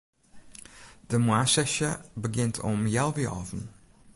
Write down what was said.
De moarnssesje begjint om healwei alven.